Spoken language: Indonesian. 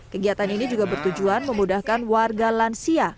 kegiatan ini juga bertujuan memudahkan warga lansia